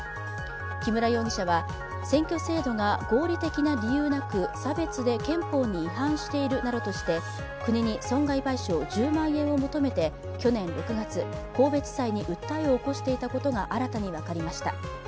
木村容疑者は選挙制度が合理的な理由なく差別で憲法に違反しているなどとして国に損害賠償１０万円を求めて去年６月、神戸地裁に訴えを起こしていたことが新たに分かりました。